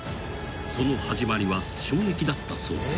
［その始まりは衝撃だったそうで］